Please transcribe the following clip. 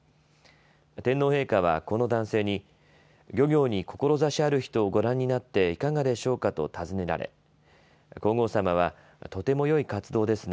天皇陛下はこの男性に漁業に志ある人をご覧になっていかがでしょうかと尋ねられ皇后さまは、とてもよい活動ですね。